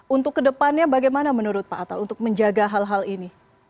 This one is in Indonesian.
untuk kedepannya bagaimana menurut pak atal untuk menjaga hal hal ini